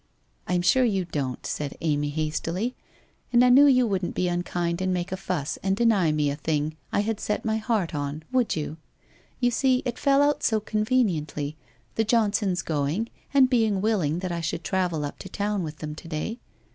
' I am sure you don't,' said Amy hastily. ' And I knew you wouldn't be unkind and make a fuss and deny me a thing I had set my heart on, would you? You see, it fell out so conveniently, the Johnsons going and being willing that I should travel up to town with them to day.